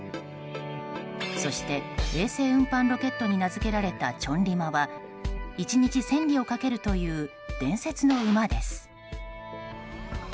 そして、衛星運搬ロケットに名付けられた「チョンリマ」は１日千里を駆けるという伝説の馬です。